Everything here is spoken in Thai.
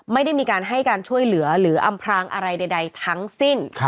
ไม่ได้มีการให้การช่วยเหลือหรืออำพรางอะไรใดทั้งสิ้น